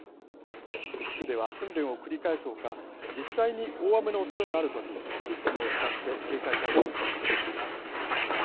地区では訓練を繰り返す他実際に大雨のおそれのある時システムを使って警戒態勢を取っています。